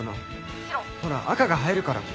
ほら赤が映えるから。